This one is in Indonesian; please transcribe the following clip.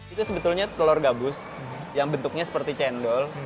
itu sebetulnya telur gabus yang bentuknya seperti cendol